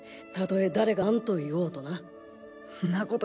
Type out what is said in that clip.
たとえ誰がなんと言おうとな。